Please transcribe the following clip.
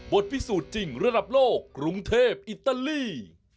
พิสูจน์จริงระดับโลกกรุงเทพอิตาลี